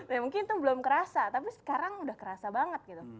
ya mungkin itu belum kerasa tapi sekarang udah kerasa banget gitu